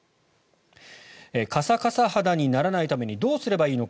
カサカサ肌にならないためにどうすればいいのか。